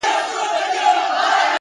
د حقیقت منل وجدان سپکوي’